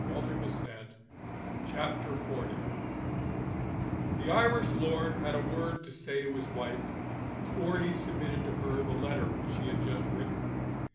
CHAPTER XL DIRE NECESSITY THE Irish lord had a word to say to his wife, before he submitted to her the letter which he had just written.